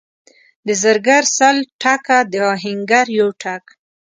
د زرګر سل ټکه، د اهنګر یو ټک.